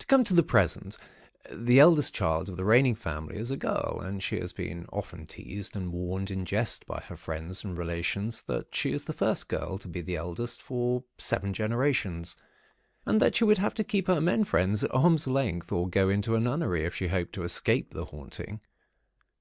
"To come to the present, the eldest child of the reigning family, is a girl, and she has been often teased and warned in jest by her friends and relations that she is the first girl to be the eldest for seven generations, and that she would have to keep her men friends at arm's length, or go into a nunnery, if she hoped to escape the haunting.